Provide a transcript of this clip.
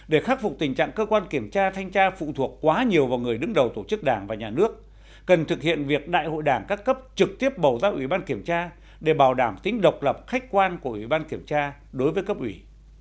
để khắc phục tình trạng cơ quan kiểm tra thanh tra phụ thuộc quá nhiều vào người đứng đầu tổ chức đảng và nhà nước cần thực hiện việc đại hội đảng các cấp trực tiếp bầu ra ủy ban kiểm tra để bảo đảm tính độc lập khách quan của ủy ban kiểm tra đối với cấp ủy